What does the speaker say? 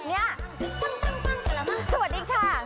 ใจเมื่อแบบนี้สวัสดีค่ะ